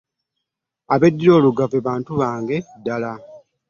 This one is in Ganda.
Abeddira Olugave bonna bantu bange ddala